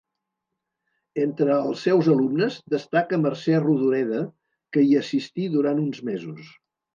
Entre els seus alumnes destaca Mercè Rodoreda, que hi assistí durant uns mesos.